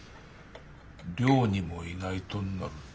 寮にもいないとなると。